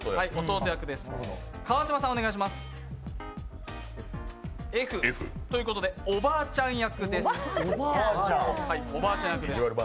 川島さんはＦということでおばあちゃん役です。